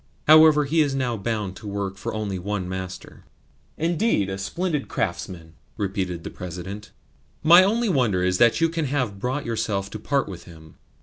However, he is now bound to work for only one master." "Indeed a splendid craftsman!" repeated the President. "My only wonder is that you can have brought yourself to part with him."